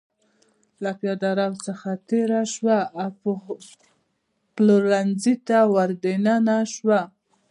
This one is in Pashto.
له پېاده رو څخه تېره شوه او پلورنځي ته ور دننه شوه.